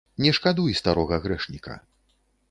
Не шкадуй старога грэшніка!